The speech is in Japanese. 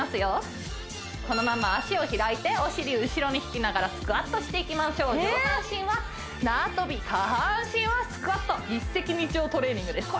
速いこのまま足を開いてお尻後ろに引きながらスクワットしていきましょう上半身は縄跳び下半身はスクワット一石二鳥トレーニングです